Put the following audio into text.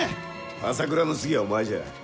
朝倉の次はお前じゃ。